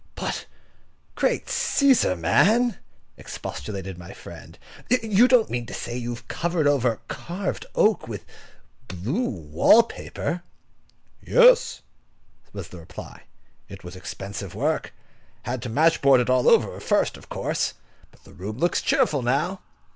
"But, great Cæsar! man," expostulated my friend; "you don't mean to say you have covered over carved oak with blue wall paper?" "Yes," was the reply: "it was expensive work. Had to match board it all over first, of course. But the room looks cheerful now.